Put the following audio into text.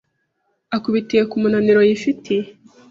akubitiye ku munaniro yifitiye